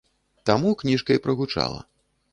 Таму кніжка і прагучала!